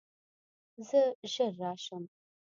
زه ژر راشم.